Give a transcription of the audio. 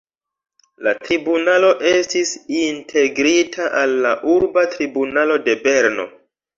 La tribunalo estis integrita al la urba tribunalo de Berno.